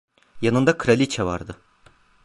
Yanında kraliçe vardı.